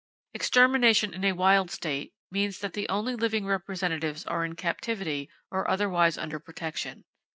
Extermination in a wild state means that the only living representatives are in captivity or otherwise under protection.